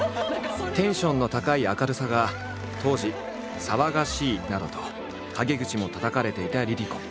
テンションの高い明るさが当時「騒がしい」などと陰口もたたかれていたＬｉＬｉＣｏ。